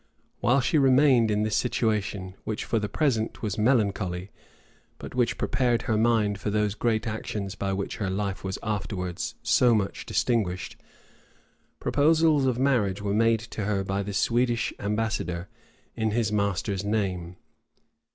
While she remained in this situation, which for the present was melancholy, but which prepared her mind for those great actions by which her life was afterwards so much distinguished, proposals of marriage were made to her by the Swedish Ambassador, in his master's name.